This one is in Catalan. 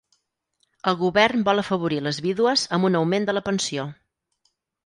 El govern vol afavorir les vídues amb un augment de la pensió.